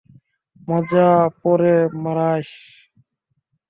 মজা পরে মারাইস!